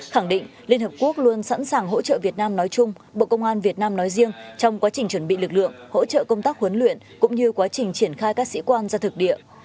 khẳng định liên hợp quốc luôn sẵn sàng hỗ trợ việt nam nói chung bộ công an việt nam nói riêng trong quá trình chuẩn bị lực lượng hỗ trợ công tác huấn luyện cũng như quá trình triển khai các sĩ quan ra thực địa